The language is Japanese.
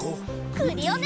クリオネ！